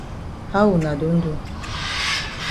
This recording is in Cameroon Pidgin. How wuna don do?